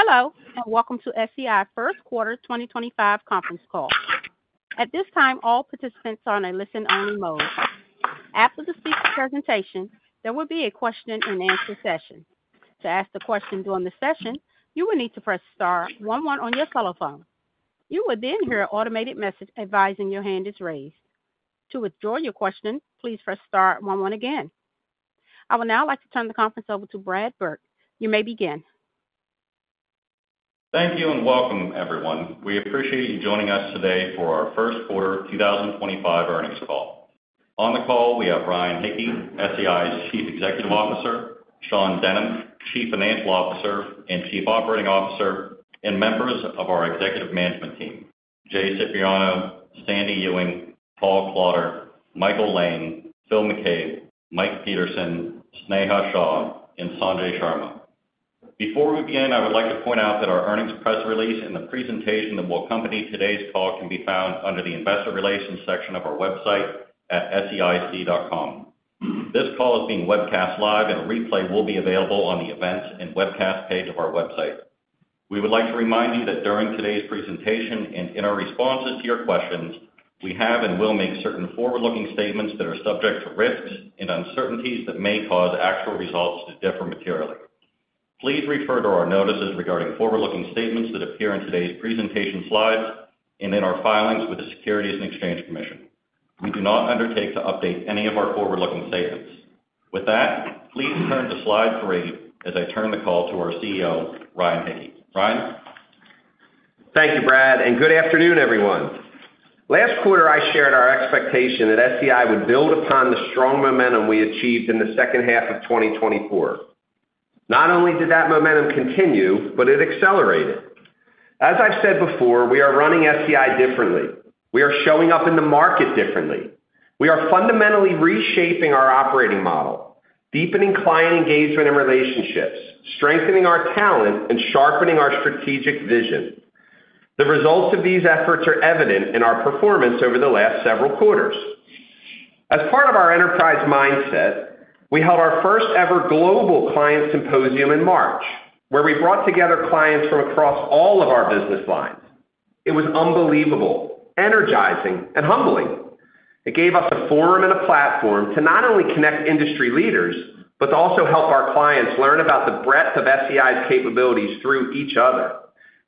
Hello, and welcome to SEI First Quarter 2025 conference call. At this time, all participants are in a listen-only mode. After the speaker presentation, there will be a question-and-answer session. To ask a question during the session, you will need to press star 11 on your telephone. You will then hear an automated message advising your hand is raised. To withdraw your question, please press star 11 again. I would now like to turn the conference over to Brad Burke. You may begin. Thank you and welcome, everyone. We appreciate you joining us today for our First Quarter 2025 earnings call. On the call, we have Ryan Hicke, SEI's Chief Executive Officer; Sean Denham, Chief Financial Officer and Chief Operating Officer; and members of our Executive Management team: Jay Cipriano, Sandy Ewing, Paul Klauder, Michael Lane, Phil McCabe, Mike Peterson, Sneha Shah, and Sanjay Sharma. Before we begin, I would like to point out that our earnings press release and the presentation that will accompany today's call can be found under the Investor Relations section of our website at seic.com. This call is being webcast live, and a replay will be available on the Events and Webcast page of our website. We would like to remind you that during today's presentation and in our responses to your questions, we have and will make certain forward-looking statements that are subject to risks and uncertainties that may cause actual results to differ materially. Please refer to our notices regarding forward-looking statements that appear in today's presentation slides and in our filings with the Securities and Exchange Commission. We do not undertake to update any of our forward-looking statements. With that, please turn to slide three as I turn the call to our CEO, Ryan Hicke. Ryan? Thank you, Brad, and good afternoon, everyone. Last quarter, I shared our expectation that SEI would build upon the strong momentum we achieved in the second half of 2024. Not only did that momentum continue, but it accelerated. As I've said before, we are running SEI differently. We are showing up in the market differently. We are fundamentally reshaping our operating model, deepening client engagement and relationships, strengthening our talent, and sharpening our strategic vision. The results of these efforts are evident in our performance over the last several quarters. As part of our enterprise mindset, we held our first-ever global client symposium in March, where we brought together clients from across all of our business lines. It was unbelievable, energizing, and humbling. It gave us a forum and a platform to not only connect industry leaders but also help our clients learn about the breadth of SEI's capabilities through each other.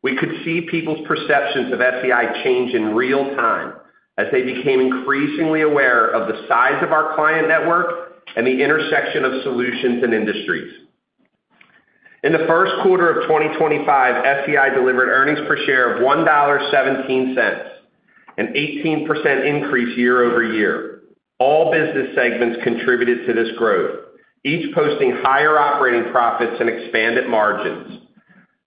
We could see people's perceptions of SEI change in real time as they became increasingly aware of the size of our client network and the intersection of solutions and industries. In the first quarter of 2025, SEI delivered earnings per share of $1.17, an 18% increase year-over-year. All business segments contributed to this growth, each posting higher operating profits and expanded margins.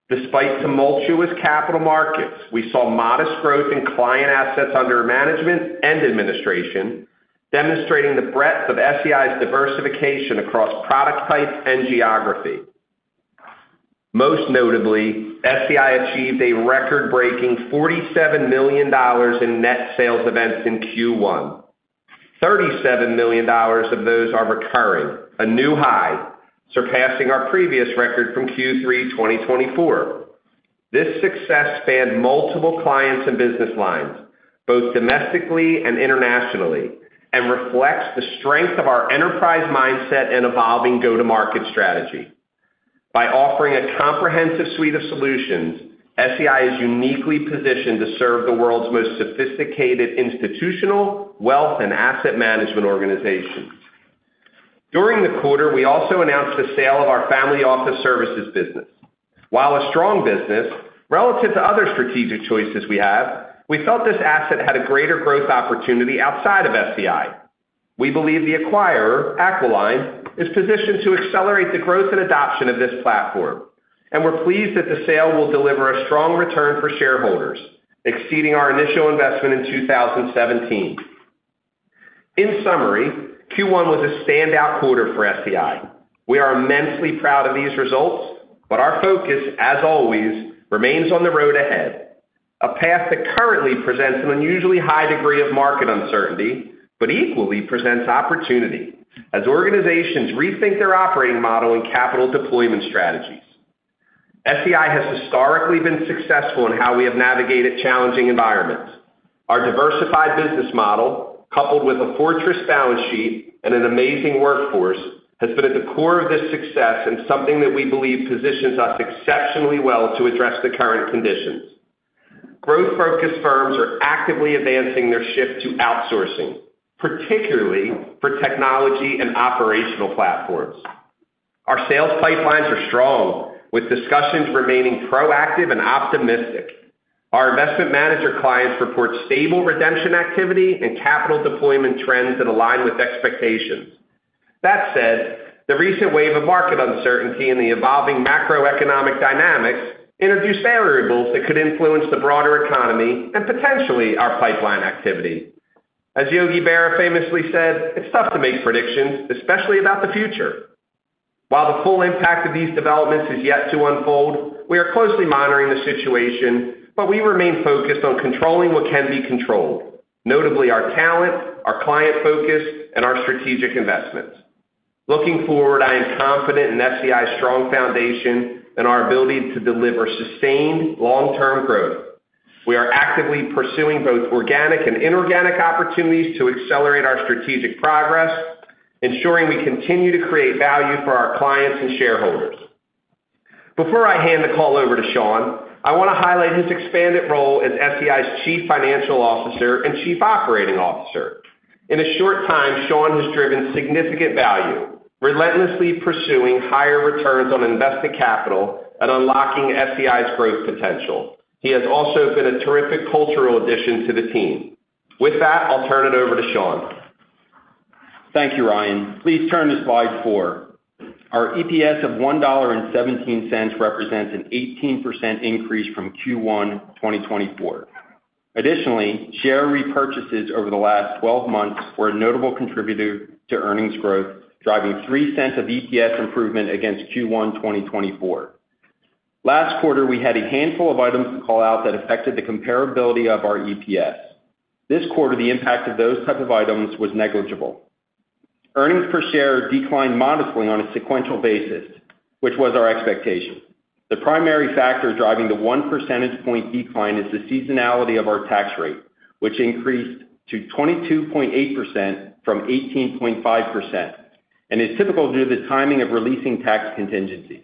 Despite tumultuous capital markets, we saw modest growth in client assets under management and administration, demonstrating the breadth of SEI's diversification across product types and geography. Most notably, SEI achieved a record-breaking $47 million in net sales events in Q1. $37 million of those are recurring, a new high, surpassing our previous record from Q3 2024. This success spanned multiple clients and business lines, both domestically and internationally, and reflects the strength of our enterprise mindset and evolving go-to-market strategy. By offering a comprehensive suite of solutions, SEI is uniquely positioned to serve the world's most sophisticated institutional, wealth, and asset management organizations. During the quarter, we also announced the sale of our family office services business. While a strong business, relative to other strategic choices we have, we felt this asset had a greater growth opportunity outside of SEI. We believe the acquirer, Aquiline, is positioned to accelerate the growth and adoption of this platform, and we're pleased that the sale will deliver a strong return for shareholders, exceeding our initial investment in 2017. In summary, Q1 was a standout quarter for SEI. We are immensely proud of these results, but our focus, as always, remains on the road ahead, a path that currently presents an unusually high degree of market uncertainty but equally presents opportunity as organizations rethink their operating model and capital deployment strategies. SEI has historically been successful in how we have navigated challenging environments. Our diversified business model, coupled with a fortress balance sheet and an amazing workforce, has been at the core of this success and something that we believe positions us exceptionally well to address the current conditions. Growth-focused firms are actively advancing their shift to outsourcing, particularly for technology and operational platforms. Our sales pipelines are strong, with discussions remaining proactive and optimistic. Our investment manager clients report stable redemption activity and capital deployment trends that align with expectations. That said, the recent wave of market uncertainty and the evolving macroeconomic dynamics introduce variables that could influence the broader economy and potentially our pipeline activity. As Yogi Berra famously said, "It's tough to make predictions, especially about the future." While the full impact of these developments is yet to unfold, we are closely monitoring the situation, but we remain focused on controlling what can be controlled, notably our talent, our client focus, and our strategic investments. Looking forward, I am confident in SEI's strong foundation and our ability to deliver sustained long-term growth. We are actively pursuing both organic and inorganic opportunities to accelerate our strategic progress, ensuring we continue to create value for our clients and shareholders. Before I hand the call over to Sean, I want to highlight his expanded role as SEI's Chief Financial Officer and Chief Operating Officer. In a short time, Sean has driven significant value, relentlessly pursuing higher returns on invested capital and unlocking SEI's growth potential. He has also been a terrific cultural addition to the team. With that, I'll turn it over to Sean. Thank you, Ryan. Please turn to slide four. Our EPS of $1.17 represents an 18% increase from Q1 2024. Additionally, share repurchases over the last 12 months were a notable contributor to earnings growth, driving 3% of EPS improvement against Q1 2024. Last quarter, we had a handful of items to call out that affected the comparability of our EPS. This quarter, the impact of those types of items was negligible. Earnings per share declined modestly on a sequential basis, which was our expectation. The primary factor driving the 1 percentage point decline is the seasonality of our tax rate, which increased to 22.8% from 18.5%, and is typical due to the timing of releasing tax contingencies.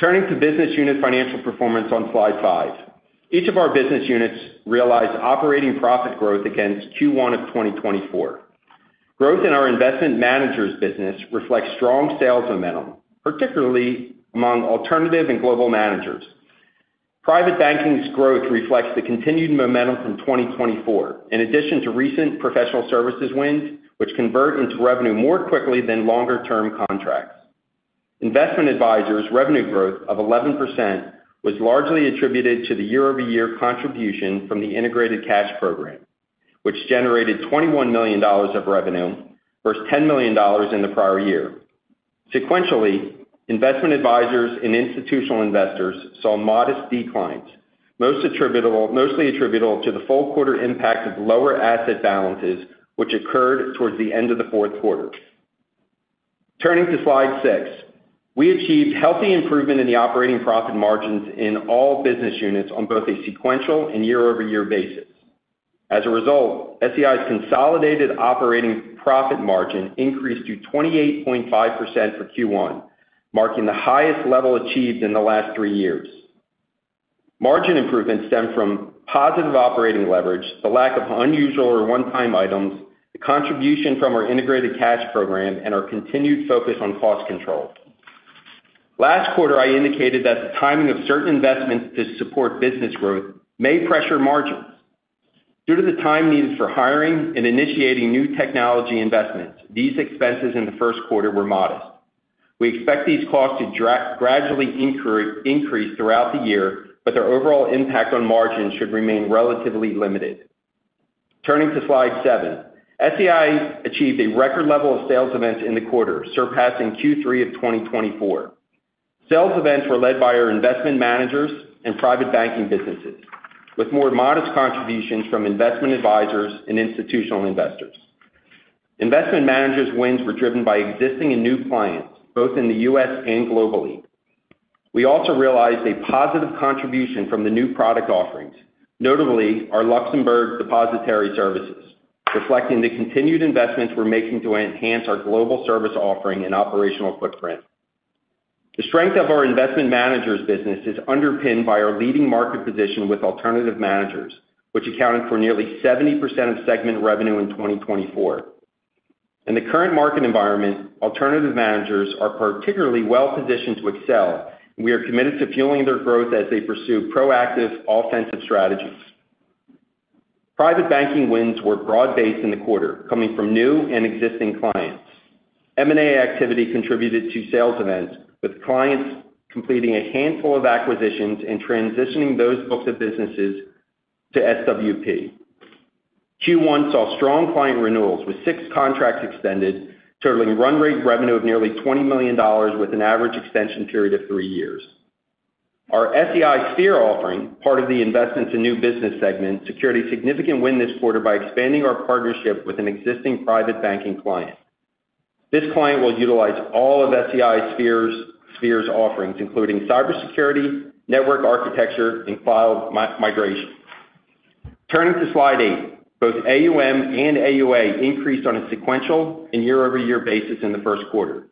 Turning to business unit financial performance on slide five, each of our business units realized operating profit growth against Q1 of 2024. Growth in our investment managers' business reflects strong sales momentum, particularly among alternative and global managers. Private banking's growth reflects the continued momentum from 2024, in addition to recent professional services wins, which convert into revenue more quickly than longer-term contracts. Investment advisors' revenue growth of 11% was largely attributed to the year-over-year contribution from the Integrated Cash Program, which generated $21 million of revenue versus $10 million in the prior year. Sequentially, investment advisors and institutional investors saw modest declines, mostly attributable to the full quarter impact of lower asset balances, which occurred towards the end of the fourth quarter. Turning to slide six, we achieved healthy improvement in the operating profit margins in all business units on both a sequential and year-over-year basis. As a result, SEI's consolidated operating profit margin increased to 28.5% for Q1, marking the highest level achieved in the last three years. Margin improvements stem from positive operating leverage, the lack of unusual or one-time items, the contribution from our Integrated Cash Program, and our continued focus on cost control. Last quarter, I indicated that the timing of certain investments to support business growth may pressure margins. Due to the time needed for hiring and initiating new technology investments, these expenses in the first quarter were modest. We expect these costs to gradually increase throughout the year, but their overall impact on margins should remain relatively limited. Turning to slide seven, SEI achieved a record level of sales events in the quarter, surpassing Q3 of 2024. Sales events were led by our investment managers and private banking businesses, with more modest contributions from investment advisors and institutional investors. Investment managers' wins were driven by existing and new clients, both in the U.S. and globally. We also realized a positive contribution from the new product offerings, notably our Luxembourg Depositary Services, reflecting the continued investments we're making to enhance our global service offering and operational footprint. The strength of our investment managers' business is underpinned by our leading market position with alternative managers, which accounted for nearly 70% of segment revenue in 2024. In the current market environment, alternative managers are particularly well-positioned to excel, and we are committed to fueling their growth as they pursue proactive, offensive strategies. Private banking wins were broad-based in the quarter, coming from new and existing clients. M&A activity contributed to sales events, with clients completing a handful of acquisitions and transitioning those books of businesses to SWP. Q1 saw strong client renewals, with six contracts extended, totaling run-rate revenue of nearly $20 million with an average extension period of three years. Our SEI Sphere offering, part of the Investments and New Business segment, secured a significant win this quarter by expanding our partnership with an existing private banking client. This client will utilize all of SEI Sphere's offerings, including cybersecurity, network architecture, and cloud migration. Turning to slide eight, both AUM and AUA increased on a sequential and year-over-year basis in the first quarter.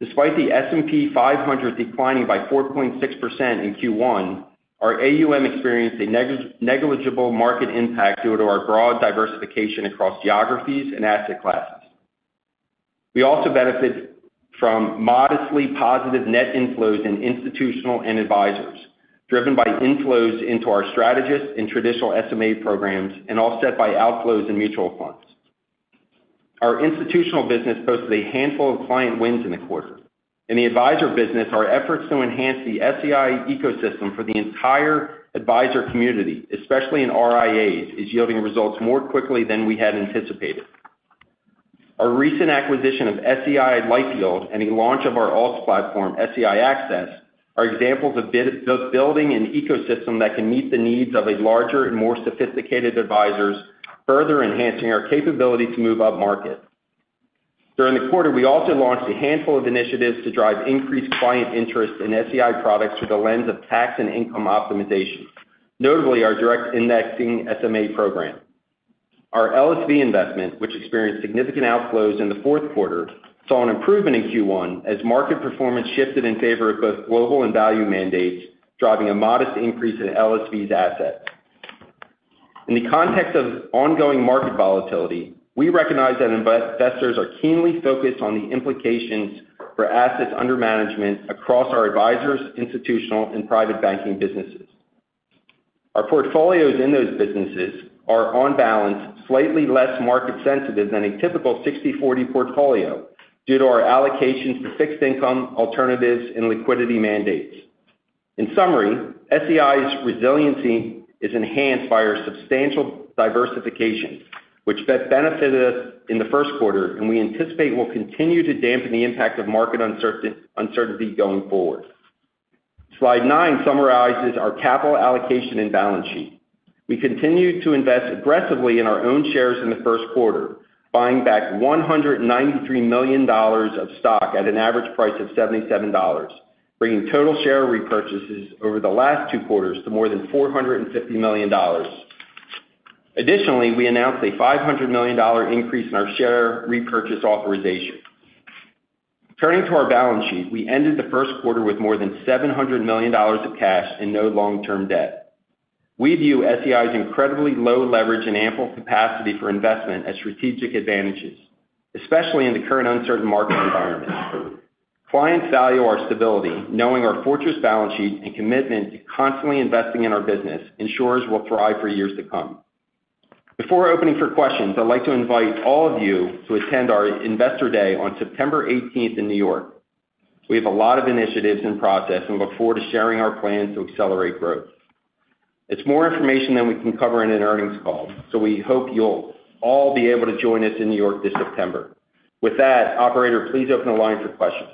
Despite the S&P 500 declining by 4.6% in Q1, our AUM experienced a negligible market impact due to our broad diversification across geographies and asset classes. We also benefit from modestly positive net inflows in institutional and advisors, driven by inflows into our strategists and traditional SMA programs, and offset by outflows in mutual funds. Our institutional business posted a handful of client wins in the quarter. In the advisor business, our efforts to enhance the SEI ecosystem for the entire advisor community, especially in RIAs, is yielding results more quickly than we had anticipated. Our recent acquisition of SEI LifeYield and the launch of our ops platform, SEI Access, are examples of building an ecosystem that can meet the needs of a larger and more sophisticated advisors, further enhancing our capability to move up market. During the quarter, we also launched a handful of initiatives to drive increased client interest in SEI products through the lens of tax and income optimization, notably our direct indexing SMA program. Our LSV investment, which experienced significant outflows in the fourth quarter, saw an improvement in Q1 as market performance shifted in favor of both global and value mandates, driving a modest increase in LSV's assets. In the context of ongoing market volatility, we recognize that investors are keenly focused on the implications for assets under management across our advisors, institutional, and private banking businesses. Our portfolios in those businesses are on balance slightly less market-sensitive than a typical 60/40 portfolio due to our allocations to fixed income, alternatives, and liquidity mandates. In summary, SEI's resiliency is enhanced by our substantial diversification, which benefited us in the first quarter, and we anticipate will continue to dampen the impact of market uncertainty going forward. Slide nine summarizes our capital allocation and balance sheet. We continued to invest aggressively in our own shares in the first quarter, buying back $193 million of stock at an average price of $77, bringing total share repurchases over the last two quarters to more than $450 million. Additionally, we announced a $500 million increase in our share repurchase authorization. Turning to our balance sheet, we ended the first quarter with more than $700 million of cash and no long-term debt. We view SEI's incredibly low leverage and ample capacity for investment as strategic advantages, especially in the current uncertain market environment. Clients value our stability, knowing our fortress balance sheet and commitment to constantly investing in our business ensures we'll thrive for years to come. Before opening for questions, I'd like to invite all of you to attend our Investor Day on September 18th in New York. We have a lot of initiatives in process and look forward to sharing our plans to accelerate growth. It's more information than we can cover in an earnings call, so we hope you'll all be able to join us in New York this September. With that, Operator, please open the line for questions.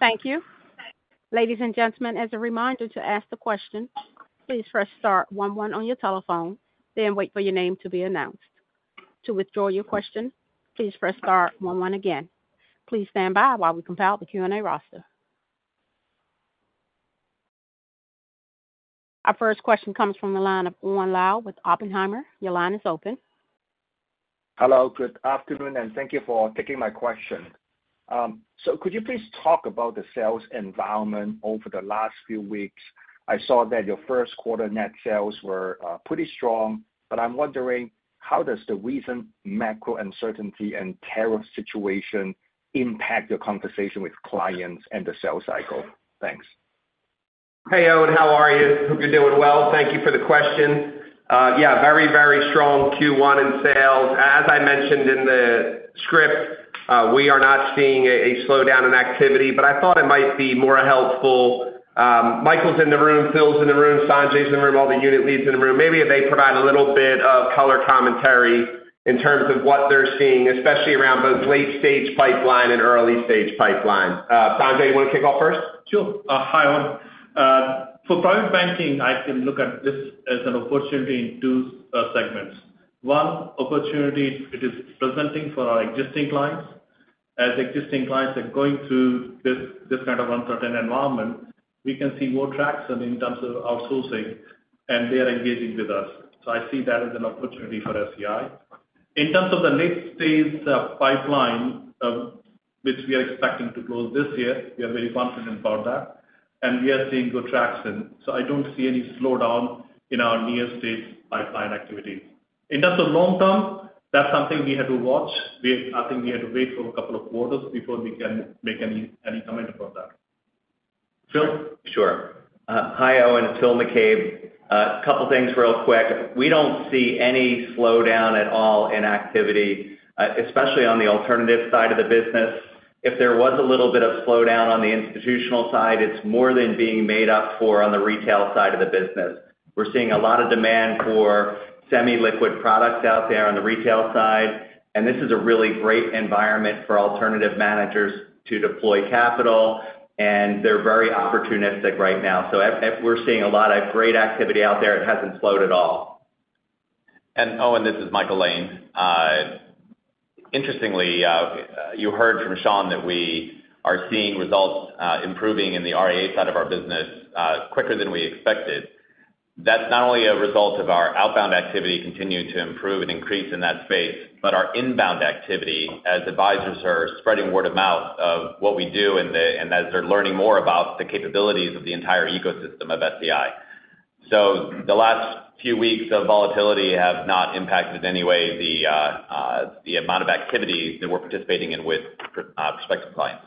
Thank you. Ladies and gentlemen, as a reminder to ask the question, please press star 11 on your telephone, then wait for your name to be announced. To withdraw your question, please press star 11 again. Please stand by while we compile the Q&A roster. Our first question comes from the line of Owen Lau with Oppenheimer. Your line is open. Hello, good afternoon, and thank you for taking my question. Could you please talk about the sales environment over the last few weeks? I saw that your first quarter net sales were pretty strong, but I'm wondering how does the recent macro uncertainty and tariff situation impact your conversation with clients and the sales cycle? Thanks. Hey, Owen, how are you? Hope you're doing well. Thank you for the question. Yeah, very, very strong Q1 in sales. As I mentioned in the script, we are not seeing a slowdown in activity. I thought it might be more helpful. Michael's in the room, Phil's in the room, Sanjay's in the room, all the unit leads in the room. Maybe if they provide a little bit of color commentary in terms of what they're seeing, especially around both late-stage pipeline and early-stage pipeline. Sanjay, you want to kick off first? Sure. Hi, Owen. For private banking, I can look at this as an opportunity in two segments. One opportunity it is presenting for our existing clients. As existing clients are going through this kind of uncertain environment, we can see more traction in terms of outsourcing, and they are engaging with us. I see that as an opportunity for SEI. In terms of the late-stage pipeline, which we are expecting to close this year, we are very confident about that, and we are seeing good traction. I do not see any slowdown in our near-stage pipeline activity. In terms of long-term, that is something we have to watch. I think we have to wait for a couple of quarters before we can make any comment about that. Phil? Sure. Hi, Owen, it's Phil McCabe. A couple of things real quick. We don't see any slowdown at all in activity, especially on the alternative side of the business. If there was a little bit of slowdown on the institutional side, it's more than being made up for on the retail side of the business. We're seeing a lot of demand for semi-liquid products out there on the retail side, and this is a really great environment for alternative managers to deploy capital, and they're very opportunistic right now. We are seeing a lot of great activity out there. It hasn't slowed at all. Owen, this is Michael Lane. Interestingly, you heard from Sean that we are seeing results improving in the RIA side of our business quicker than we expected. is not only a result of our outbound activity continuing to improve and increase in that space, but our inbound activity as advisors are spreading word of mouth of what we do and as they are learning more about the capabilities of the entire ecosystem of SEI. The last few weeks of volatility have not impacted in any way the amount of activity that we are participating in with prospective clients.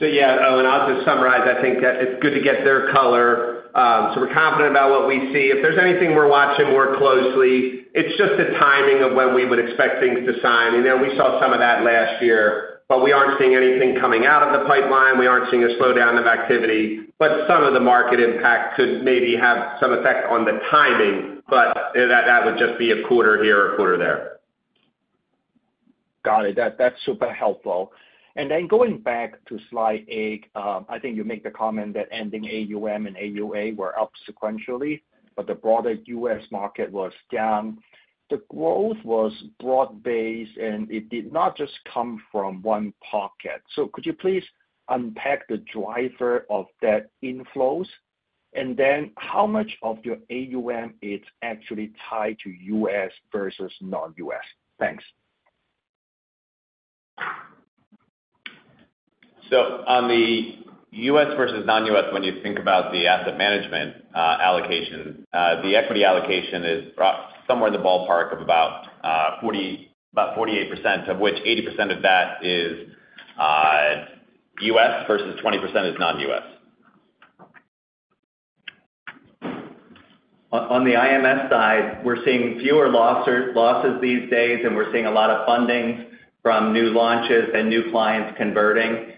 Yeah, Owen, I'll just summarize. I think that it's good to get their color. We're confident about what we see. If there's anything we're watching more closely, it's just the timing of when we would expect things to sign. We saw some of that last year, but we aren't seeing anything coming out of the pipeline. We aren't seeing a slowdown of activity, but some of the market impact could maybe have some effect on the timing. That would just be a quarter here or a quarter there. Got it. That's super helpful. Going back to slide eight, I think you made the comment that ending AUM and AUA were up sequentially, but the broader U.S. market was down. The growth was broad-based, and it did not just come from one pocket. Could you please unpack the driver of that inflows? How much of your AUM is actually tied to U.S. versus non-U.S.? Thanks. On the U.S. versus non-U.S., when you think about the asset management allocation, the equity allocation is somewhere in the ballpark of about 48%, of which 80% of that is U.S. versus 20% is non-U.S. On the IMS side, we're seeing fewer losses these days, and we're seeing a lot of funding from new launches and new clients converting.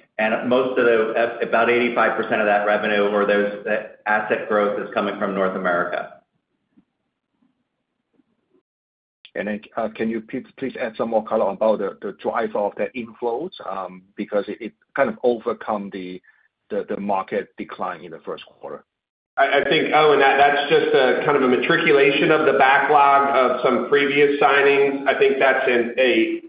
Most of the, about 85% of that revenue or that asset growth is coming from North America. Can you please add some more color about the drive of that inflows because it kind of overcome the market decline in the first quarter? I think, Owen, that's just kind of a matriculation of the backlog of some previous signings. I think that's a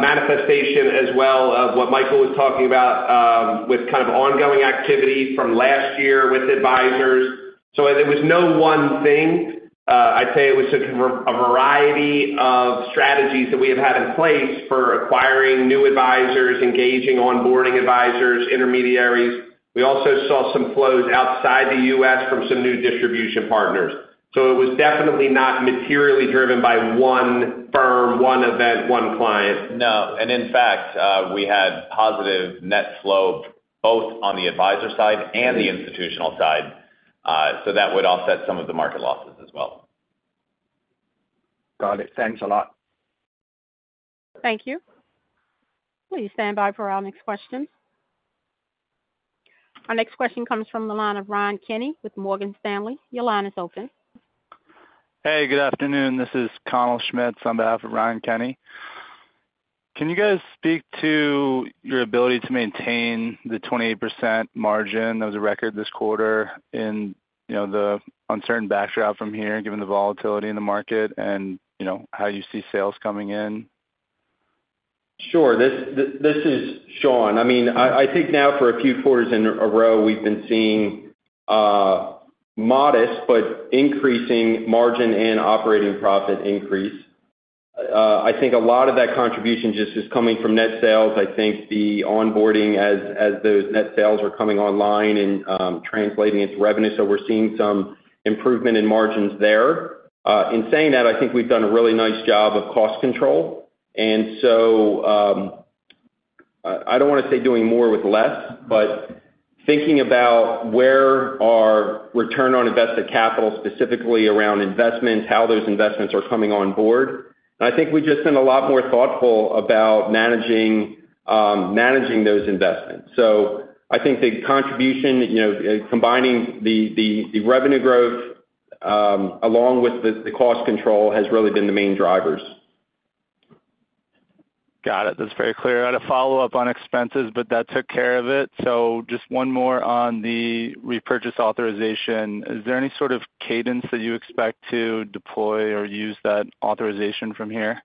manifestation as well of what Michael was talking about with kind of ongoing activity from last year with advisors. It was no one thing. I'd say it was a variety of strategies that we have had in place for acquiring new advisors, engaging onboarding advisors, intermediaries. We also saw some flows outside the U.S. from some new distribution partners. It was definitely not materially driven by one firm, one event, one client. No. In fact, we had positive net flow both on the advisor side and the institutional side. That would offset some of the market losses as well. Got it. Thanks a lot. Thank you. Please stand by for our next question. Our next question comes from the line of Ryan Kenny with Morgan Stanley. Your line is open. Hey, good afternoon. This is Caoimhe Schmitz on behalf of Ryan Kenny. Can you guys speak to your ability to maintain the 28% margin that was a record this quarter in the uncertain backdrop from here, given the volatility in the market and how you see sales coming in? Sure. This is Sean. I mean, I think now for a few quarters in a row, we've been seeing modest but increasing margin and operating profit increase. I think a lot of that contribution just is coming from net sales. I think the onboarding as those net sales are coming online and translating into revenue. We are seeing some improvement in margins there. In saying that, I think we've done a really nice job of cost control. I do not want to say doing more with less, but thinking about where our return on invested capital specifically around investments, how those investments are coming on board. I think we have just been a lot more thoughtful about managing those investments. I think the contribution, combining the revenue growth along with the cost control, has really been the main drivers. Got it. That's very clear. I had a follow-up on expenses, but that took care of it. Just one more on the repurchase authorization. Is there any sort of cadence that you expect to deploy or use that authorization from here?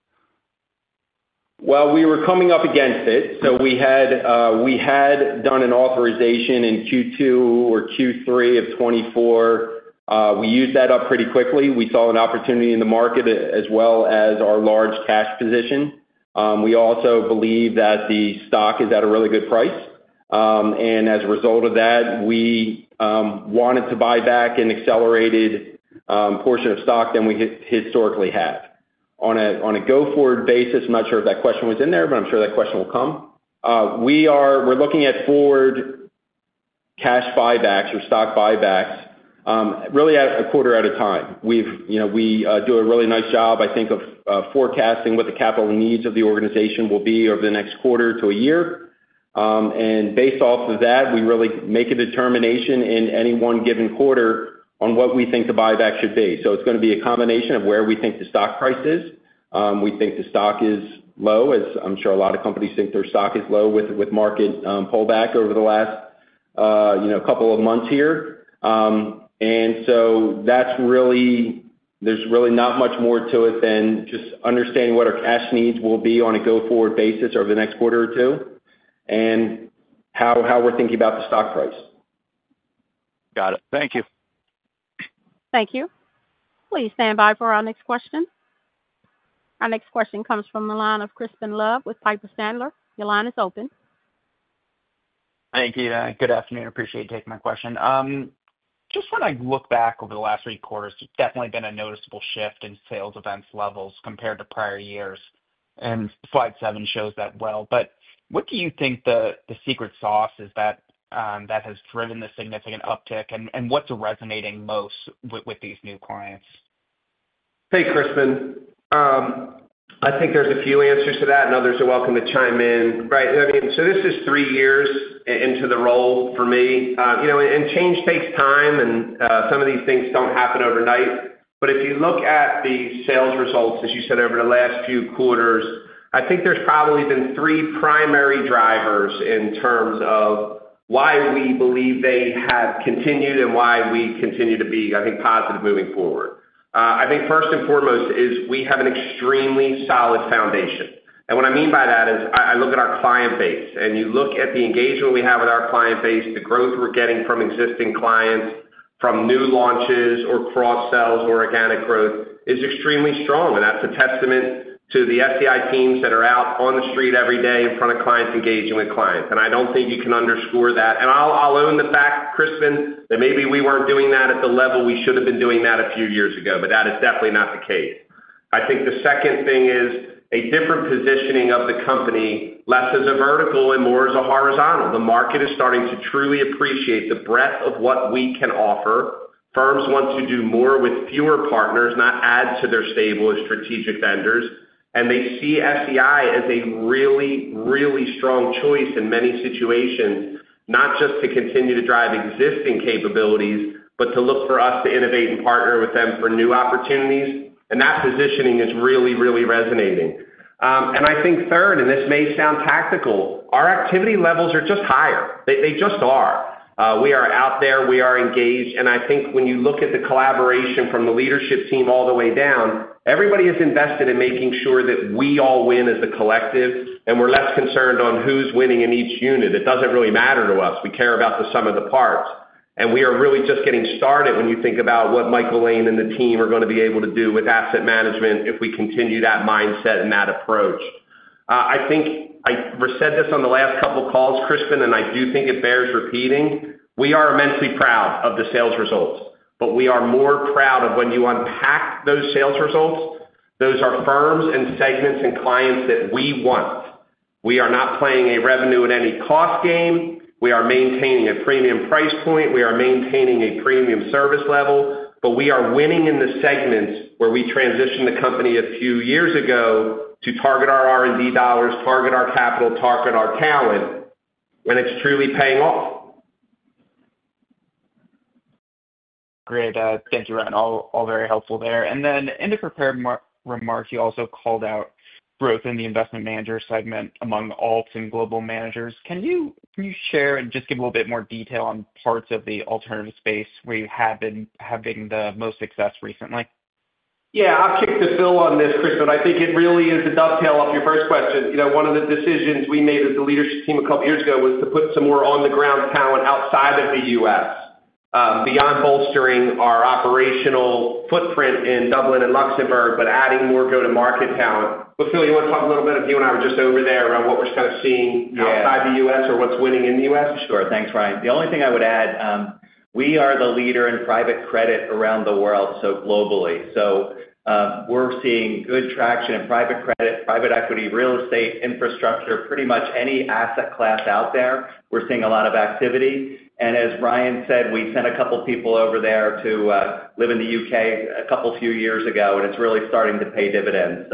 We were coming up against it. We had done an authorization in Q2 or Q3 of 2024. We used that up pretty quickly. We saw an opportunity in the market as well as our large cash position. We also believe that the stock is at a really good price. As a result of that, we wanted to buy back an accelerated portion of stock than we historically have. On a go-forward basis, I'm not sure if that question was in there, but I'm sure that question will come. We're looking at forward cash buybacks or stock buybacks really at a quarter at a time. We do a really nice job, I think, of forecasting what the capital needs of the organization will be over the next quarter to a year. Based off of that, we really make a determination in any one given quarter on what we think the buyback should be. It is going to be a combination of where we think the stock price is. We think the stock is low, as I am sure a lot of companies think their stock is low with market pullback over the last couple of months here. There is really not much more to it than just understanding what our cash needs will be on a go-forward basis over the next quarter or two and how we are thinking about the stock price. Got it. Thank you. Thank you. Please stand by for our next question. Our next question comes from the line of Crispin Love with Piper Sandler. Your line is open. Thank you. Good afternoon. Appreciate you taking my question. Just when I look back over the last three quarters, there has definitely been a noticeable shift in sales events levels compared to prior years. Slide seven shows that well. What do you think the secret sauce is that has driven the significant uptick, and what is resonating most with these new clients? Hey, Crispin. I think there's a few answers to that. Others are welcome to chime in. I mean, this is three years into the role for me. Change takes time, and some of these things do not happen overnight. If you look at the sales results, as you said, over the last few quarters, I think there's probably been three primary drivers in terms of why we believe they have continued and why we continue to be, I think, positive moving forward. First and foremost is we have an extremely solid foundation. What I mean by that is I look at our client base, and you look at the engagement we have with our client base, the growth we're getting from existing clients, from new launches or cross-sells or organic growth is extremely strong. That's a testament to the SEI teams that are out on the street every day in front of clients engaging with clients. I don't think you can underscore that. I'll own the fact, Crispin, that maybe we weren't doing that at the level we should have been doing that a few years ago, but that is definitely not the case. I think the second thing is a different positioning of the company, less as a vertical and more as a horizontal. The market is starting to truly appreciate the breadth of what we can offer. Firms want to do more with fewer partners, not add to their stable strategic vendors. They see SEI as a really, really strong choice in many situations, not just to continue to drive existing capabilities, but to look for us to innovate and partner with them for new opportunities. That positioning is really, really resonating. I think third, and this may sound tactical, our activity levels are just higher. They just are. We are out there. We are engaged. I think when you look at the collaboration from the leadership team all the way down, everybody has invested in making sure that we all win as a collective, and we're less concerned on who's winning in each unit. It doesn't really matter to us. We care about the sum of the parts. We are really just getting started when you think about what Michael Lane and the team are going to be able to do with asset management if we continue that mindset and that approach. I think I said this on the last couple of calls, Crispin, and I do think it bears repeating. We are immensely proud of the sales results, but we are more proud of when you unpack those sales results. Those are firms and segments and clients that we want. We are not playing a revenue at any cost game. We are maintaining a premium price point. We are maintaining a premium service level, but we are winning in the segments where we transitioned the company a few years ago to target our R&D dollars, target our capital, target our talent when it's truly paying off. Great. Thank you, Ryan. All very helpful there. In the prepared remark, you also called out growth in the investment manager segment among Alts and global managers. Can you share and just give a little bit more detail on parts of the alternative space where you have been having the most success recently? Yeah. I'll kick the bill on this, Crispin. I think it really is a dovetail off your first question. One of the decisions we made as the leadership team a couple of years ago was to put some more on-the-ground talent outside of the U.S., beyond bolstering our operational footprint in Dublin and Luxembourg, but adding more go-to-market talent. Phil, you want to talk a little bit? You and I were just over there around what we're kind of seeing outside the U.S. or what's winning in the U.S.? Sure. Thanks, Ryan. The only thing I would add, we are the leader in private credit around the world, so globally. We are seeing good traction in private credit, private equity, real estate, infrastructure, pretty much any asset class out there. We are seeing a lot of activity. As Ryan said, we sent a couple of people over there to live in the U.K. a few years ago, and it is really starting to pay dividends.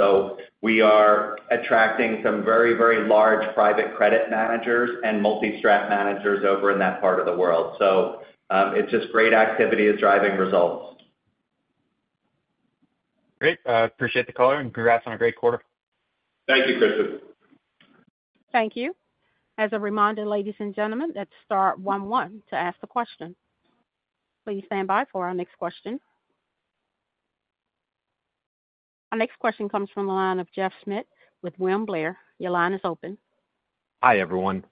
We are attracting some very, very large private credit managers and multi-strat managers over in that part of the world. It is just great activity is driving results. Great. Appreciate the color and congrats on a great quarter. Thank you, Crispin. Thank you. As a reminder, ladies and gentlemen, that's star 11 to ask the question. Please stand by for our next question. Our next question comes from the line of Jeff Schmitt with William Blair. Your line is open. Hi everyone.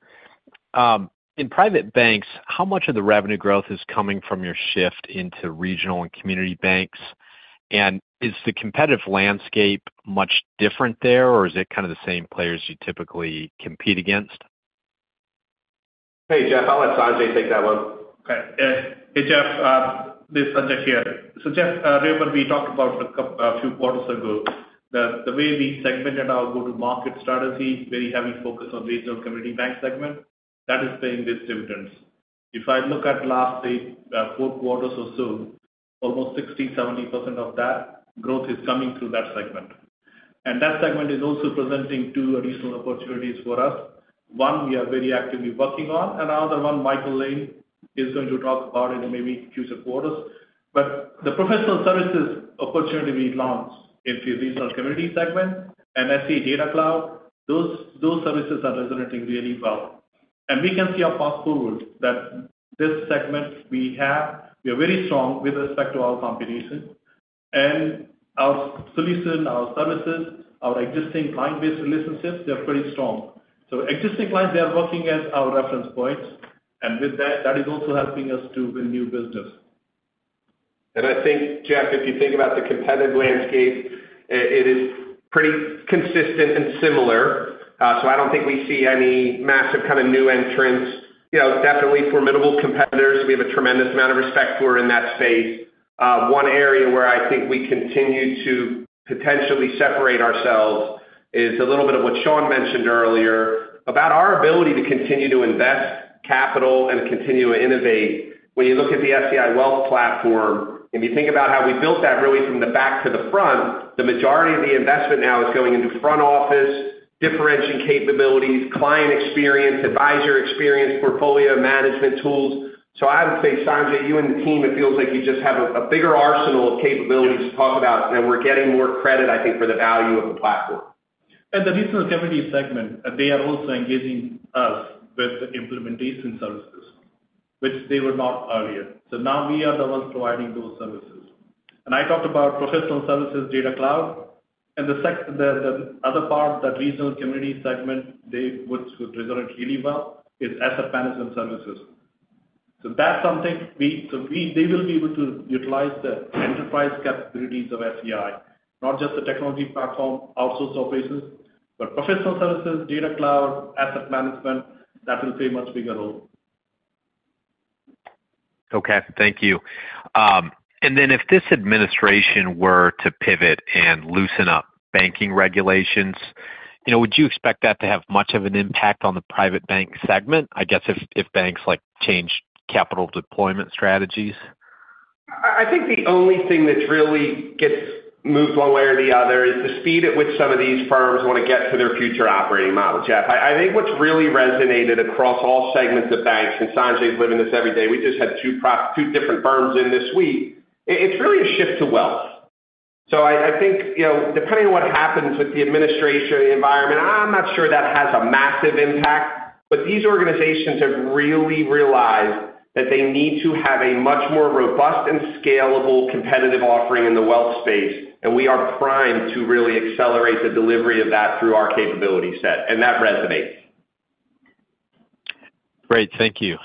In private banks, how much of the revenue growth is coming from your shift into regional and community banks? Is the competitive landscape much different there, or is it kind of the same players you typically compete against? Hey, Jeff. I'll let Sanjay take that one. Okay. Hey, Jeff. This is Sanjay here. Jeff, remember we talked about a few quarters ago that the way we segmented our go-to-market strategy, very heavy focus on regional community bank segment, that is paying its dividends. If I look at the last four quarters or so, almost 60-70% of that growth is coming through that segment. That segment is also presenting two additional opportunities for us. One, we are very actively working on, and another one Michael Lane is going to talk about in maybe future quarters. The professional services opportunity we launched in the regional community segment and SEI Data Cloud, those services are resonating really well. We can see a path forward that this segment we have, we are very strong with respect to our competition. Our solution, our services, our existing client-based relationships, they're pretty strong. Existing clients, they're working as our reference points, and that is also helping us to win new business. I think, Jeff, if you think about the competitive landscape, it is pretty consistent and similar. I do not think we see any massive kind of new entrants. Definitely formidable competitors. We have a tremendous amount of respect for in that space. One area where I think we continue to potentially separate ourselves is a little bit of what Sean mentioned earlier about our ability to continue to invest capital and continue to innovate. When you look at the SEI Wealth Platform, if you think about how we built that really from the back to the front, the majority of the investment now is going into front office, differentiating capabilities, client experience, advisor experience, portfolio management tools. I would say, Sanjay, you and the team, it feels like you just have a bigger arsenal of capabilities to talk about, and we're getting more credit, I think, for the value of the platform. The regional community segment, they are also engaging us with the implementation services, which they were not earlier. Now we are the ones providing those services. I talked about professional services, Data Cloud, and the other part, that regional community segment, which would resonate really well, is asset management services. That is something they will be able to utilize, the enterprise capabilities of SEI, not just the technology platform, outsource operations, but professional services, Data Cloud, asset management, that will play a much bigger role. Okay. Thank you. If this administration were to pivot and loosen up banking regulations, would you expect that to have much of an impact on the private bank segment, I guess, if banks change capital deployment strategies? I think the only thing that really gets moved one way or the other is the speed at which some of these firms want to get to their future operating model. Jeff, I think what is really resonated across all segments of banks, and Sanjay is living this every day, we just had two different firms in this week. It is really a shift to wealth. I think depending on what happens with the administration environment, I am not sure that has a massive impact, but these organizations have really realized that they need to have a much more robust and scalable competitive offering in the wealth space, and we are primed to really accelerate the delivery of that through our capability set. That resonates. Great. Thank you.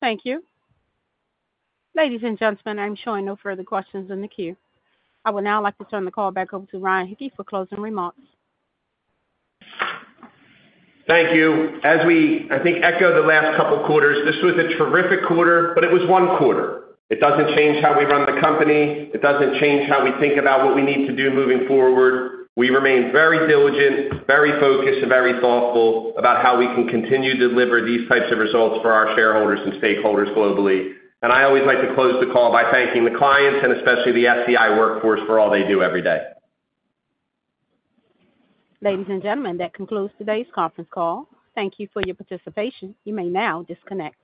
Thank you. Ladies and gentlemen, I am sure I know further questions in the queue. I would now like to turn the call back over to Ryan Hicke for closing remarks. Thank you. As we I think echo the last couple of quarters, this was a terrific quarter, but it was one quarter. It does not change how we run the company. It does not change how we think about what we need to do moving forward. We remain very diligent, very focused, and very thoughtful about how we can continue to deliver these types of results for our shareholders and stakeholders globally. I always like to close the call by thanking the clients and especially the SEI workforce for all they do every day. Ladies and gentlemen, that concludes today's conference call. Thank you for your participation. You may now disconnect.